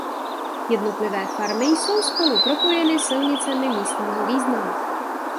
Jednotlivé farmy jsou spolu propojeny silnicemi místního významu.